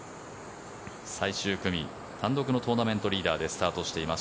最終組単独のトーナメントリーダーでスタートしています。